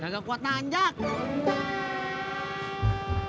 gagal kuatan jack